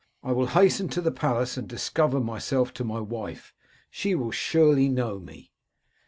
I will hasten to the palace and discover myself to my wife, — she will surely know me.'